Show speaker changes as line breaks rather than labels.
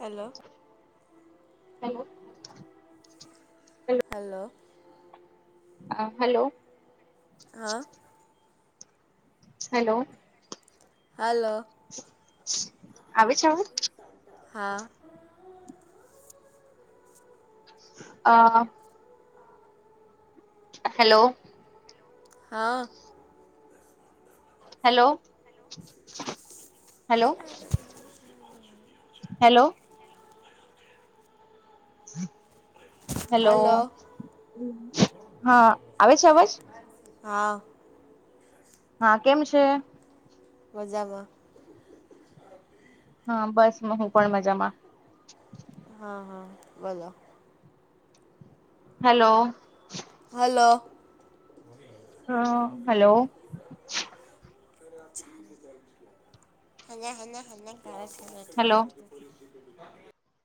hello
hello
hello
હા hello
હા
hello
hello
આવે છે અવાજ
હા
અ હેલો
હા
hello hello hello [inaudible] hello
hello
હા આવે છે અવાજ
હા
હા કેમ છે
મજામાં
હા બસ હું પણ મજામાં
હા હા બોલો
હાલો
હાલો
હા હાલો
[unintelligible] [inaudible]
હેલો
[inaudible]